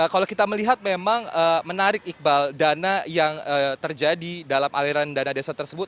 kalau kita melihat memang menarik iqbal dana yang terjadi dalam aliran dana desa tersebut